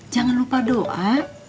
jangan lupa doa